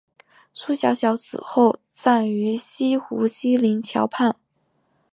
苏小小死后葬于西湖西泠桥畔。